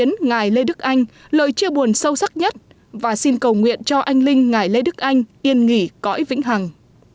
ngài lê đức anh yên nghỉ cõi vĩnh hằng